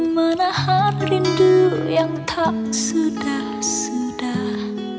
menahan rindu yang tak sudah sudah